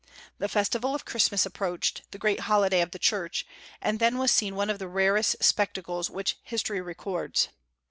The festival of Christmas approached, the great holiday of the Church, and then was seen one of the rarest spectacles which history records.